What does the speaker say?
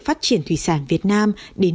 phát triển thủy sản việt nam đến